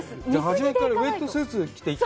初めからウエットスーツ着ないと。